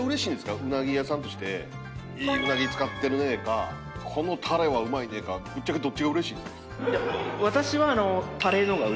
うなぎ屋さんとして「いいうなぎ使ってるね」か「このタレはうまいね」かぶっちゃけどっちがうれしいですか？